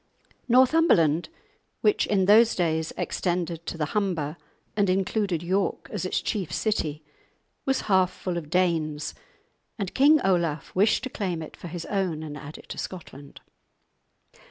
Northumberland, which in those days extended to the Humber, and included York as its chief city, was half full of Danes, and King Olaf wished to claim it for his own, and add it to Scotland.